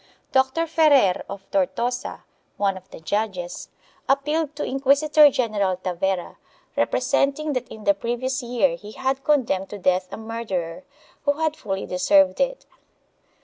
Dr. Ferrer of Tortosa, one of the judges, appealed to Inquisitor general Tavera, representing that in the previous year he had condemned to death a murderer, who had fully deserved it.